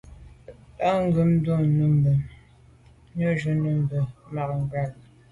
Là à ke’ dùm nejù nummbe bin ke’ ma’ ngwa bwe.